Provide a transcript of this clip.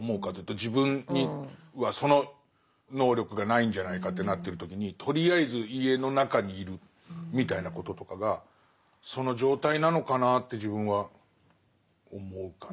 自分にはその能力がないんじゃないかってなってる時にとりあえず家の中に居るみたいなこととかがその状態なのかなって自分は思うかな。